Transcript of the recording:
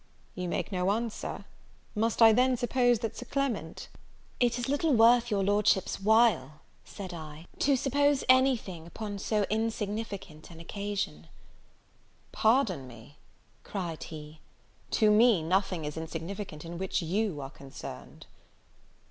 You make me no answer? Must I then suppose that Sir Clement " "It is little worth your Lordship's while," said I, "to suppose any thing upon so insignificant an occasion." "Pardon me," cried he; "to me nothing is insignificant in which you are concerned."